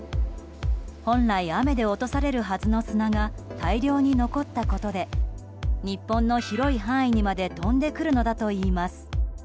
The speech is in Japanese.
本来、雨で落とされるはずの砂が大量に残ったことで日本の広い範囲にまで飛んでくるのだといいます。